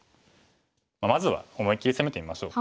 まずは思い切り攻めてみましょう。